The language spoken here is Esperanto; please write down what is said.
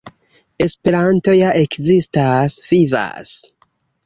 Esperanto ja ekzistas, vivas.